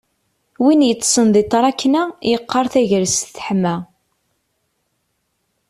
Win yeṭṭsen di tṛakna yeqqar tagrest teḥma